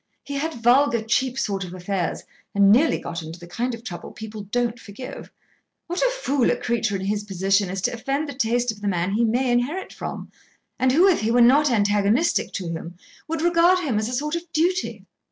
He had vulgar, cheap sort of affairs, and nearly got into the kind of trouble people don't forgive. What a fool a creature in his position is to offend the taste of the man he may inherit from, and who, if he were not antagonistic to him, would regard him as a sort of duty.